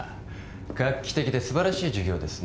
画期的で素晴らしい事業ですね